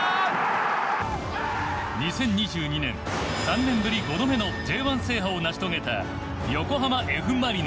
２０２２年３年ぶり５度目のＪ１制覇を成し遂げた横浜Ｆ・マリノス。